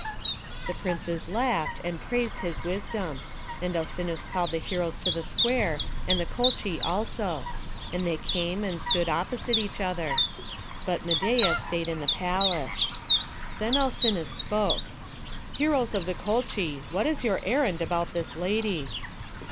The princes laughed, and praised his wisdom; and Alcinous called the heroes to the square, and the Colchi also; and they came and stood opposite each other; but Medeia stayed in the palace. Then Alcinous spoke: "Heroes of the Colchi, what is your errand about this lady?"